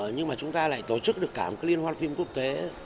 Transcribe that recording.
nhưng mà chúng ta lại tổ chức được cả một cái liên hoan phim quốc tế